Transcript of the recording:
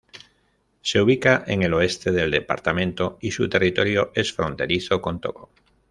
Se ubica en el oeste del departamento y su territorio es fronterizo con Togo.